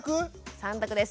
３択です。